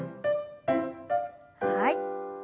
はい。